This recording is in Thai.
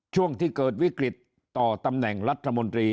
ช่วงที่เกิดวิกฤตต่อตำแหน่งรัฐมนตรี